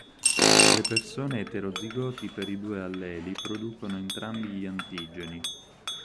Le persone eterozigoti per i due alleli producono entrambi gli antigeni.